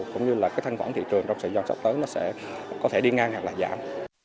cũng như là cái thanh khoản thị trường trong thời gian sắp tới nó sẽ có thể đi ngang hoặc là giảm